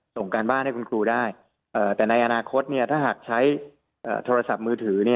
ส่งการบ้านให้คุณครูได้แต่ในอนาคตถ้าหากใช้โทรศัพท์มือถือ